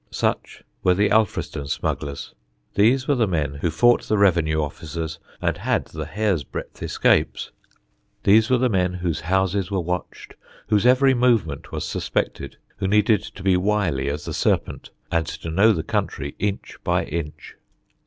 Such were the Alfriston smugglers. These were the men who fought the revenue officers and had the hair's breadth escapes. These were the men whose houses were watched, whose every movement was suspected, who needed to be wily as the serpent and to know the country inch by inch.